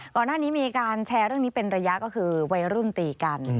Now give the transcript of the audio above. ก่อนหน้านี้มีการแชร์เรื่องนี้เป็นระยะก็คือวัยรุ่นตีกัน